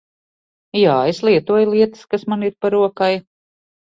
Jā, es lietoju lietas kas man ir pa rokai.